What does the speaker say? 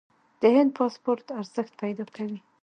د هند پاسپورت ارزښت پیدا کوي.